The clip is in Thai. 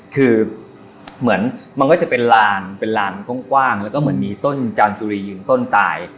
คือเหมือนมันก็จะเป็นลานเป็นลานกว้างแล้วก็เหมือนมีต้นจานจุรียืนต้นตาย